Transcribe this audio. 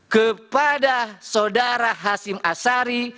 kepada sodara hasim asar